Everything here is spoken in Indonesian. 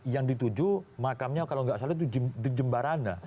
yang dituju makamnya kalau enggak salah itu di jembarana